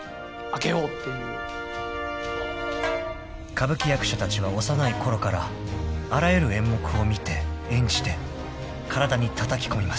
［歌舞伎役者たちは幼いころからあらゆる演目を見て演じて体にたたき込みます］